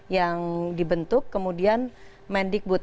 yang dibentuk kemudian mendikbud